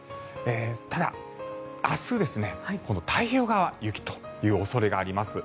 ただ、明日、今度は太平洋側雪という恐れがあります。